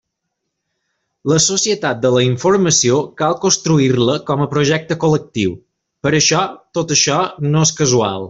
La Societat de la Informació cal construir-la com a projecte col·lectiu, per això tot això no és casual.